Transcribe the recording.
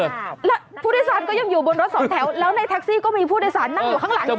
แล้วผู้โดยสารก็ยังอยู่บนรถที่๒แถว